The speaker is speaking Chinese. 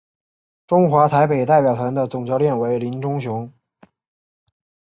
中华台北代表团的总教练为林忠雄。